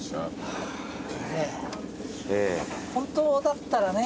本当だったらね